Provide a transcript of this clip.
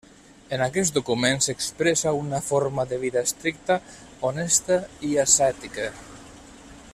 En aquest document s'expressa una forma de vida estricta, honesta i ascètica.